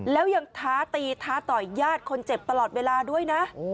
แล้วยังท้าตีท้าต่อยญาติคนเจ็บตลอดเวลาด้วยนะ